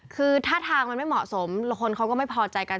คือท่าทางมันไม่เหมาะสมแล้วคนเขาก็ไม่พอใจกัน